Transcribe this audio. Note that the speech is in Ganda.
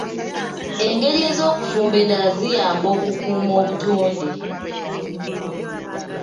Engeri ez'okufumba endala ziyamba okukuuma obutonde.